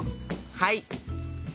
はい。